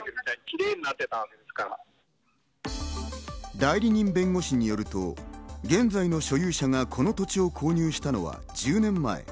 代理人弁護士によると、現在の所有者がこの土地を購入したのは１０年前。